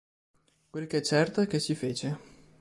Quel che è certo è che si fece.